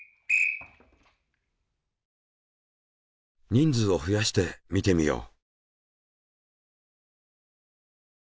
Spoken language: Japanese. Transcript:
人数を増やして見てみよう。